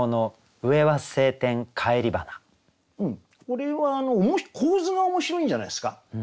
これは構図が面白いんじゃないですか。